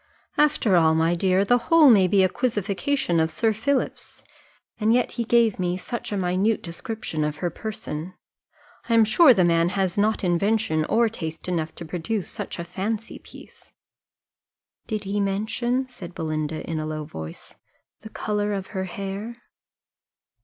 After all, my dear, the whole maybe a quizzification of Sir Philip's and yet he gave me such a minute description of her person! I am sure the man has not invention or taste enough to produce such a fancy piece." "Did he mention," said Belinda, in a low voice, "the colour of her hair?"